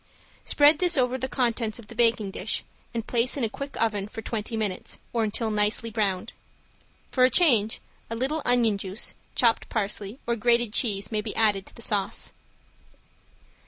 Spread this over the contents of the baking dish, and place in a quick oven for twenty minutes, or until nicely browned. For a change, a little onion juice, chopped parsley or grated cheese may be added to the sauce.